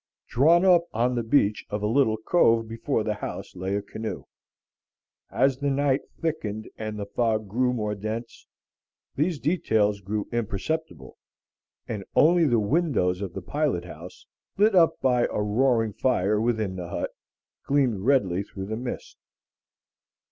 Drawn up on the beach of a little cove before the house lay a canoe. As the night thickened and the fog grew more dense, these details grew imperceptible, and only the windows of the pilot house, lit up by a roaring fire within the hut, gleamed redly through the mist.